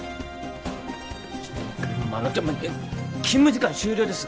ちょっとえっ勤務時間終了です